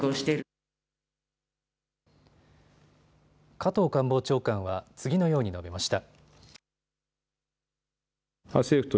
加藤官房長官は次のように述べました。